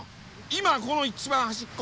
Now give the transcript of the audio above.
今この一番端っこ